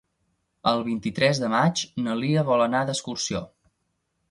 El vint-i-tres de maig na Lia vol anar d'excursió.